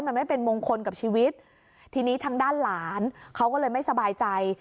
มันไม่เป็นมงคลกับชีวิตทีนี้ทางด้านหลานเขาก็เลยไม่สบายใจ